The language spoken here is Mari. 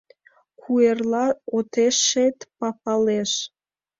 Куэрла отешет папалеш.